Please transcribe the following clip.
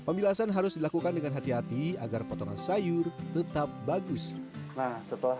pemilasan harus dilakukan dengan hati hati agar potongan sayur tetap bagus nah setelah